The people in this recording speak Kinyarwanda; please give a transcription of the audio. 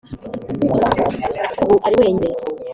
ubu ari wenyine.